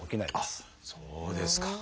あっそうですか。